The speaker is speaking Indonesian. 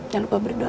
jalur berdoa ya